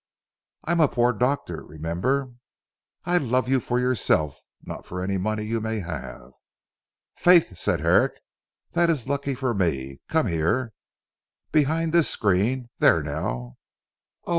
"I am a poor doctor remember." "I love you for yourself, not for any money you may have." "Faith," said Herrick, "that is lucky for me! Come here. Behind this screen there now." "Oh!